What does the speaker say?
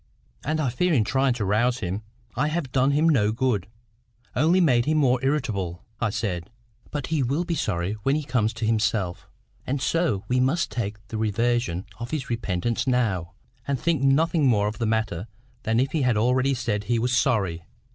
"And I fear in trying to rouse him, I have done him no good,—only made him more irritable," I said. "But he will be sorry when he comes to himself, and so we must take the reversion of his repentance now, and think nothing more of the matter than if he had already said he was sorry.